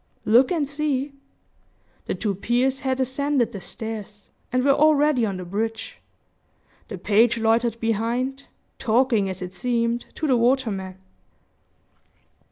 "Look and see!" The two peers has ascended the stairs, and were already on the bridge. The page loitered behind, talking, as it seemed, to the waterman.